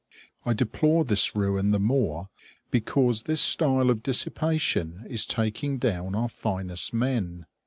I deplore this ruin the more because this style of dissipation is taking down our finest men.